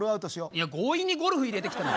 いや強引にゴルフ入れてきたな。